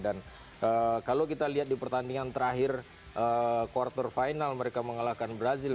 dan kalau kita lihat di pertandingan terakhir quarter final mereka mengalahkan brazil